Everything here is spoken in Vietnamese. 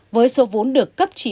với số vốn được cấp chỉ